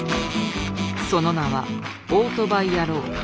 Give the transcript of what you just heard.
その名は「オートバイ野郎」。